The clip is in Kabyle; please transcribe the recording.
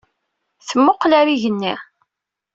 Temmuqel ɣer yigenni.